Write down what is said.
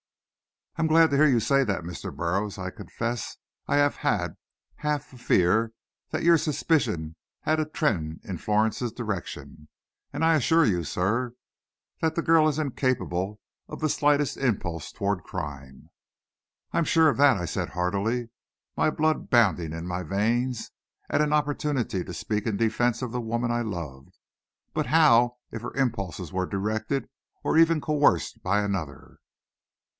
"I am glad to hear you say that, Mr. Burroughs. I confess I have had a half fear that your suspicions had a trend in Florence's direction, and I assure you, sir, that girl is incapable of the slightest impulse toward crime." "I'm sure of that," I said heartily, my blood bounding in my veins at an opportunity to speak in defense of the woman I loved. "But how if her impulses were directed, or even coerced, by another?"